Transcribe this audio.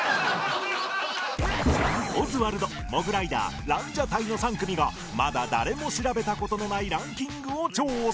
オズワルドモグライダーランジャタイの３組がまだ誰も調べた事のないランキングを調査